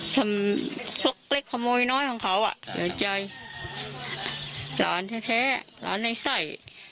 ชำพวกเล็กขโมยน้อยของเขาอ่ะเหลือใจหลานแท้หลานในไส้